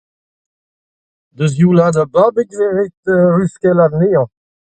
Da sioulaat ar babig e vez ret luskellat anezhañ.